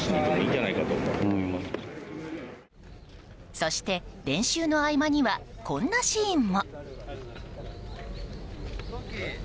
そして練習の合間にはこんなシーンも。